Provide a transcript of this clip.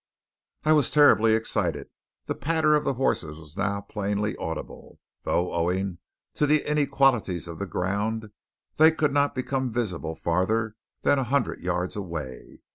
I was terribly excited. The patter of the horses was now plainly audible, though, owing to the inequalities of the ground, they could not become visible farther than a hundred yards away.